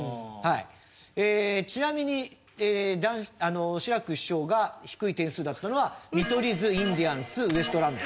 ちなみに志らく師匠が低い点数だったのは見取り図インディアンスウエストランド。